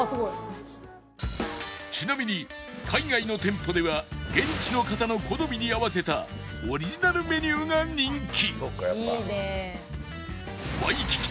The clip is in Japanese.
ちなみに海外の店舗では現地の方の好みに合わせたオリジナルメニューが人気